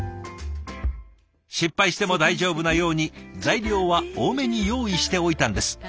失敗しても大丈夫なように材料は多めに用意しておいたんです。